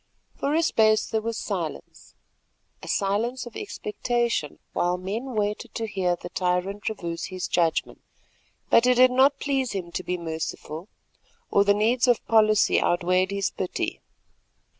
For a space there was silence, a silence of expectation while men waited to hear the tyrant reverse his judgment. But it did not please him to be merciful, or the needs of policy outweighed his pity.